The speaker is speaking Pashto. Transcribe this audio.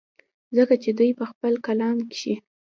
ځکه چې دوي پۀ خپل کلام کښې